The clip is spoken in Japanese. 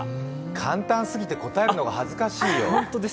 簡単すぎて答えるのが恥ずかしいよ。